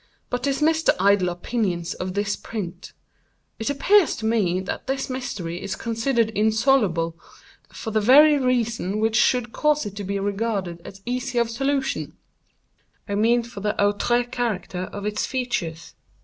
But dismiss the idle opinions of this print. It appears to me that this mystery is considered insoluble, for the very reason which should cause it to be regarded as easy of solution—I mean for the outré character of its features.